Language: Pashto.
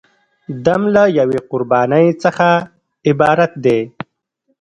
دم له یوې قربانۍ څخه عبارت دی.